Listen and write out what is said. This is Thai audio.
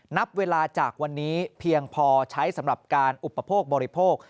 นับเวลาจากวันนี้เพียงพอใช้สำหรับการอุปโภคบริโภค